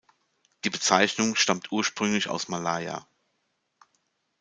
Die Bezeichnung stammt ursprünglich aus Malaya.